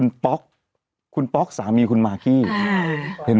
เราก็มีความหวังอะ